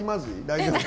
大丈夫？